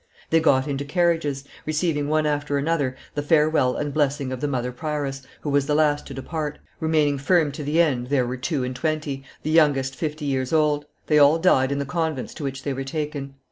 They got into carriages, receiving one after another the farewell and blessing of the mother prioress, who was the last to depart, remaining firm to the end there were two and twenty, the youngest fifty years old; they all died in the convents to which they were taken.